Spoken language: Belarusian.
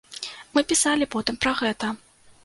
Мы пісалі потым пра гэта.